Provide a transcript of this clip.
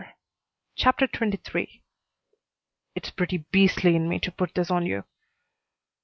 CHAPTER XXIII "It's pretty beastly in me to put this on you."